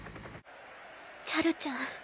チャルちゃん。